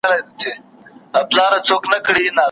له تاریخ سره اشنايي د څيړني بنسټ جوړوي.